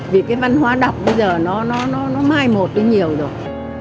vì cái văn hóa đọc bây giờ nó mai một đến nhiều rồi